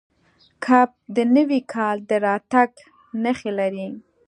کب د نوي کال د راتګ نښې لري.